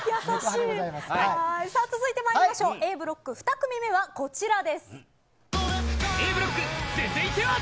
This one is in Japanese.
続いてまいりましょうＡブロック２組目はこちらです。